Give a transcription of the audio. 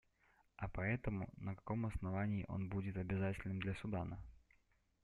А поэтому, на каком основании он будет обязательным для Судана?